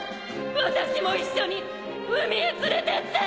私も一緒に海へ連れてって！